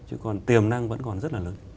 chứ còn tiềm năng vẫn còn rất là lớn